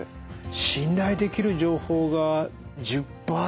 信頼できる情報が１０％